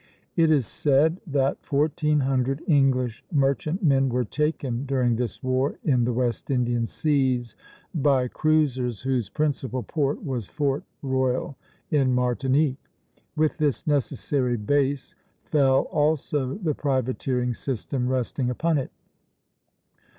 It is said that fourteen hundred English merchantmen were taken during this war in the West Indian seas by cruisers whose principal port was Fort Royal in Martinique. With this necessary base fell also the privateering system resting upon it.